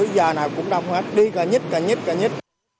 giờ nào cũng đông hết đi cơ nhích cơ nhích cơ nhích